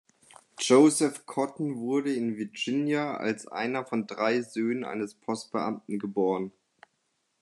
Joseph Cotten wurde in Virginia als einer von drei Söhnen eines Postbeamten geboren.